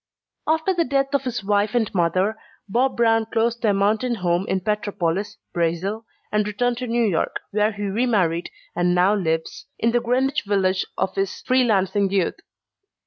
After the death of his wife and mother, Bob Brown closed their mountain home in Petropolis, Brazil, and returned to New York where he remarried and now lives, in the Greenwich Village of his free lancing youth.